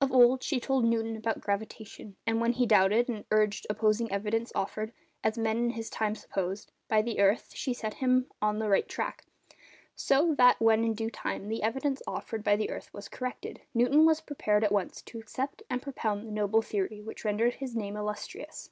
Of old, she told Newton about gravitation, and when he doubted, and urged opposing evidence offered—as men in his time supposed—by the earth, she set him on the right track, so that when in due time the evidence offered by the earth was corrected, Newton was prepared at once to accept and propound the noble theory which rendered his name illustrious.